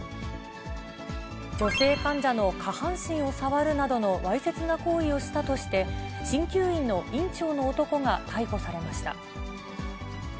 女性患者の下半身を触るなどのわいせつな行為をしたとして、しんきゅう院の院長の男が逮捕されました。